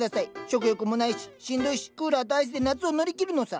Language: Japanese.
食欲もないししんどいしクーラーとアイスで夏を乗り切るのさ。